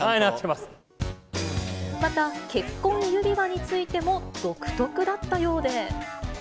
また結婚指輪についても独特だったようで。